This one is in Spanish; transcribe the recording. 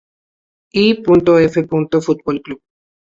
I. F. Fútbol Club.